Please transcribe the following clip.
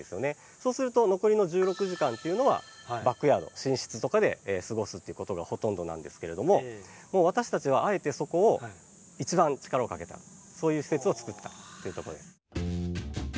そうすると残りの１６時間っていうのはバックヤード寝室とかで過ごすっていうことがほとんどなんですけれども私たちはあえてそこをそういう施設を作ったっていうとこです。